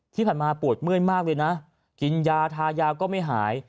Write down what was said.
ที่ผ่านมาปวดเมื่อยมากเลยนะกินยาทายาก็ไม่หาย